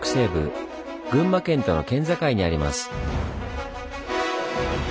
群馬県との県境にあります。